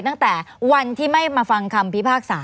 ตั้งแต่วันที่ไม่มาฟังคำพิพากษา